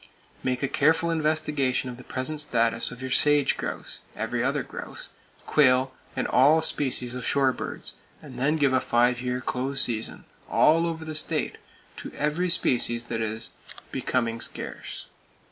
Make a careful investigation of the present status of your sage grouse, every other grouse, quail, and all species of shore birds, then give a five year close season, all over the state, to every species that is "becoming scarce."